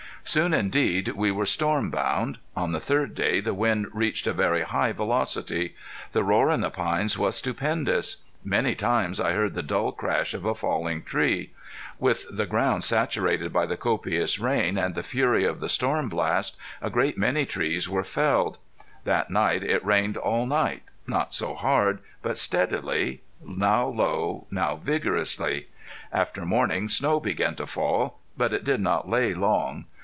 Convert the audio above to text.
Soon indeed we were storm bound. On the third day the wind reached a very high velocity. The roar in the pines was stupendous. Many times I heard the dull crash of a falling tree. With the ground saturated by the copious rain, and the fury of the storm blast, a great many trees were felled. That night it rained all night, not so hard, but steadily, now low, now vigorously. After morning snow began to fall. But it did not lay long.